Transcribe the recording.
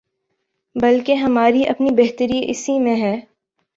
بلکہ ہماری اپنی بہتری اسی میں ہے۔